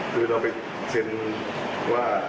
คือเราไปเซ็นว่า